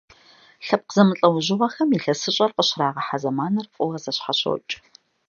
Лъэпкъ зэмылӀэужьыгъуэхэм ИлъэсыщӀэр къыщрагъэхьэ зэманыр фӀыуэ зэщхьэщокӀ.